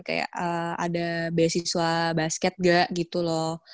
kayak ada beasiswa basket gak gitu loh